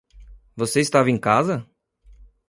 Você estava em casa?